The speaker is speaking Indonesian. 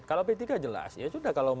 kalau p tiga jelas ya sudah kalau